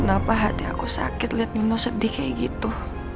kenapa hati aku sakit lihat mino sedih kayak gitu